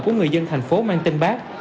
những người dân thành phố mang tên bác